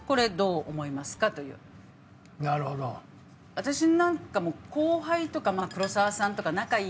私なんかも後輩とかまあ黒沢さんとか仲いい